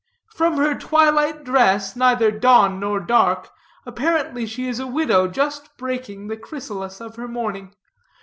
From her twilight dress, neither dawn nor dark, apparently she is a widow just breaking the chrysalis of her mourning.